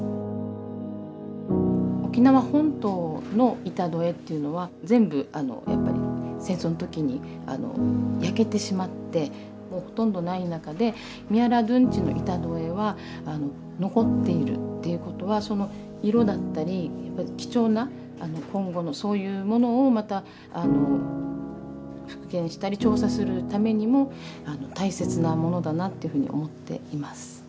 沖縄本島の板戸絵っていうのは全部やっぱり戦争の時に焼けてしまってもうほとんどない中で宮良殿内の板戸絵は残っているっていうことはその色だったりやっぱり貴重な今後のそういうものをまた復元したり調査するためにも大切なものだなっていうふうに思っています。